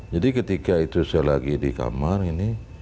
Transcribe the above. jadi ketika itu saya lagi di kamar ini